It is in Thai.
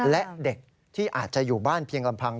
และเด็กที่อาจจะอยู่บ้านเพียงลำพัง